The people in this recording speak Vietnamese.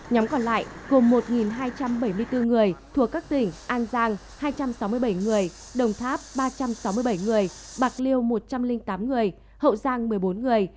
nhóm còn lại gồm một hai trăm bảy mươi bốn người thuộc các tỉnh an giang hai trăm sáu mươi bảy người đồng tháp ba trăm sáu mươi bảy người bạc liêu một trăm linh tám người hậu giang một mươi bốn người